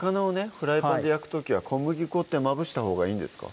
フライパンで焼く時は小麦粉ってまぶしたほうがいいんですか？